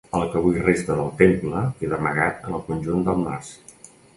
El que avui resta del temple queda amagat en el conjunt del mas.